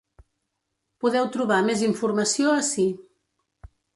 Podeu trobar més informació ací.